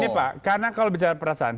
gini pak karena kalau bicara perasaan